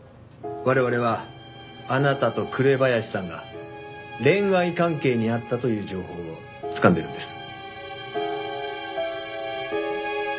我々はあなたと紅林さんが恋愛関係にあったという情報をつかんでいるんです。